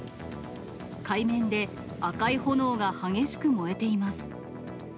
海面で赤い炎が激しく燃えています。